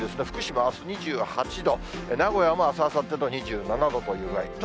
福島あす２８度、名古屋もあす、あさってと２７度という具合。